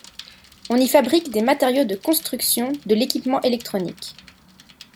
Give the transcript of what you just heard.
On y fabrique des matériaux de construction, de l’équipement électronique.